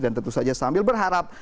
dan tentu saja sambil berharap